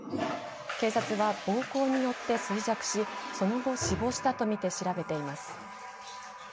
警察は暴行によって衰弱しその後死亡したと見て調べています。